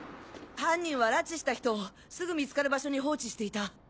犯人は拉致した人をすぐ見つかる場所に放置していた。